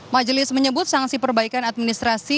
majelis menyebut sanksi perbaikan administrasi